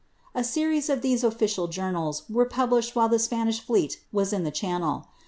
A series of these official journals were published while the Spanish fleet was in the Channel.